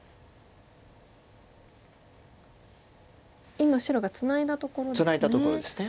今白がツナいだところですね。